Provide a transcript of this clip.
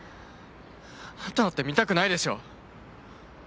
あなただって見たくないでしょう？